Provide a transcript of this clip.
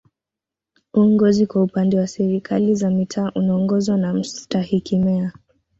Uongozi kwa upande wa Serikali za Mitaa unaongozwa na Mstahiki Meya